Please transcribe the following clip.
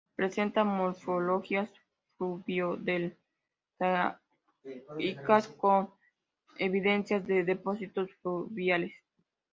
Presenta morfologías fluvio-deltaicas con evidencias de depósitos fluviales.